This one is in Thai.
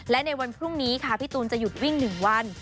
และในวันพรุ่งนี้ค่ะพี่ตูนจะหยุดวิ่ง๑วัน